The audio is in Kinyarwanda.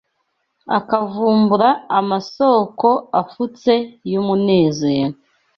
akavumbura amasōko afutse y’umunezero